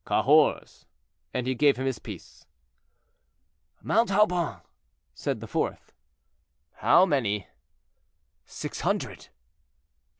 "Cahors;" and he gave him his piece. "Montauban," said the fourth. "How many?" "Six hundred."